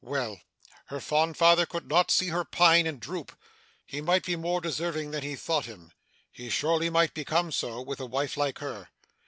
Well! Her fond father could not see her pine and droop. He might be more deserving than he thought him. He surely might become so, with a wife like her.